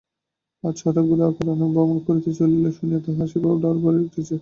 আজ হঠাৎ গোরা অকারণে ভ্রমণ করিতে চলিল শুনিয়া তাঁহার সেই ভাবনা আরো বাড়িয়া উঠিয়াছে।